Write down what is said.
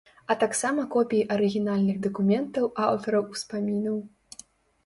А таксама копіі арыгінальных дакументаў аўтараў успамінаў.